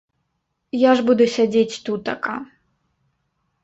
Я ж буду сядзець тутака.